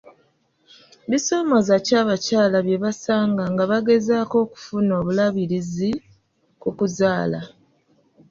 Bisomooza ki abakyala bye basanga nga bagezaako okufuna obulabirizi ku kuzaala?